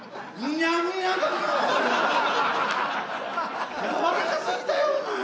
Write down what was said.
やわらかすぎたよお前。